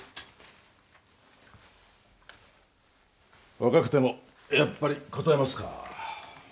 若くてもやっぱりこたえますか？